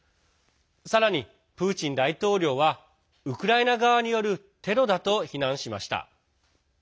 さらにプーチン大統領はウクライナ側によるテロだと非難しました。